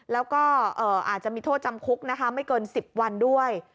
แล้วก็อาจจะมีโทษจำคุกนะคะไม่เกิน๑๐วันด้วย